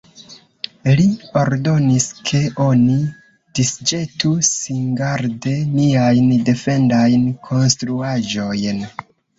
Li ordonis, ke oni disĵetu singarde niajn defendajn konstruaĵojn.